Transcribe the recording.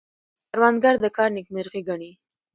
کروندګر د کار نیکمرغي ګڼي